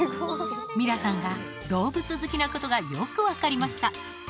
ミラさんが動物好きなことがよく分かりました